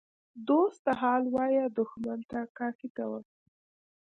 ـ دوست ته حال وایه دښمن ته لافي کوه.